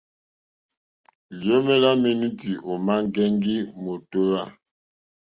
Liomè la menuti òma ŋgɛŋgi mòtohwa.